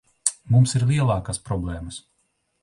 Mums ir lielākas problēmas.